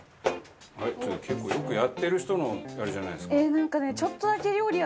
結構よくやってる人のあれじゃないですか。